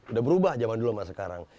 udah berubah zaman dulu mas sekarang